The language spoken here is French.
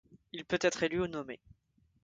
Il peut être élu ou nommé.